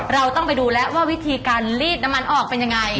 เราต้องไปดูแล้วว่าวิธีการลีดน้ำมันออกเป็นยังไง